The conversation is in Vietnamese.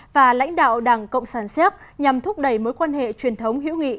và lãnh đạo đảng cộng sản xếp nhằm thúc đẩy mối quan hệ truyền thống hữu nghị